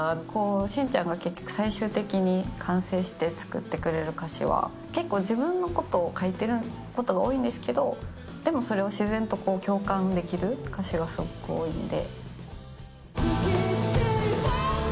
慎ちゃんが最終的に完成して作ってくれる歌詞は結構自分のことを書いてることが多いんですけど、でもそれを自然と共感できる歌詞がすごく多いんで。